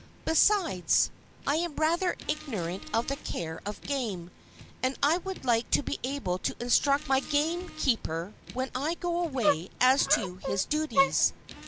Besides, I am rather ignorant of the care of game, and I would like to be able to instruct my game keeper when I go away as to his duties.